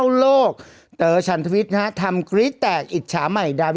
เป็นพูดภาพที่มีออกมากแล้วนะครับ